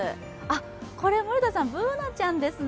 これ、Ｂｏｏｎａちゃんですね！